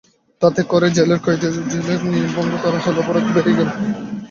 তাতে করে জেলের কয়েদির জেলের নিয়ম ভঙ্গ করা হল, অপরাধ বেড়েই গেল।